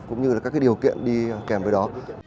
cũng như các điều kiện đi kèm với đó